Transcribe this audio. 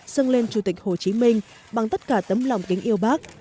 dâng lên chủ tịch hồ chí minh bằng tất cả tấm lòng kính yêu bác